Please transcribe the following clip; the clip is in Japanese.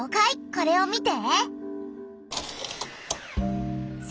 これを見て。